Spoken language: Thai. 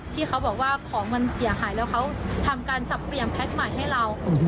ที่เขาบอกว่าของมันเสียหายแล้วเขาทำการสับเปลี่ยนแพ็คใหม่ให้เรา